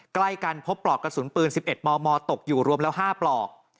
ใกล้กันพบปลอกกระสุนปืนสิบเอ็ดมอร์มอร์ตกอยู่รวมแล้วห้าปลอก